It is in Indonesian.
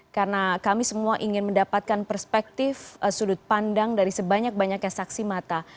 karena kami semua ingin mendapatkan perspektif sudut pandang dari sebanyak banyaknya saksi mata